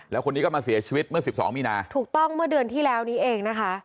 แล้วคนนี้ก็มาเสียชีวิตเมื่อสิบสองมีนาถูกต้องเมื่อเดือนที่แล้วนี้เองนะคะ